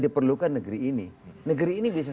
diperlukan negeri ini negeri ini bisa